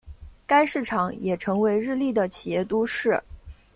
该市场也成为日立的的企业都市。